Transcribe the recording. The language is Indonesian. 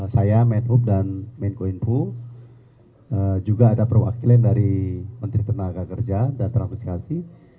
saya medhub dan minco inco juga ada perwakilan dari menteri tenaga kerja dan trafiskasi